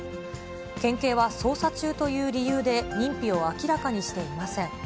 県警は捜査中という理由で認否を明らかにしていません。